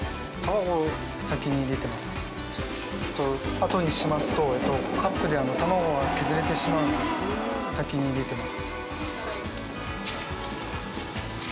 あとにしますとカップで玉子が削れてしまうので先に入れてます。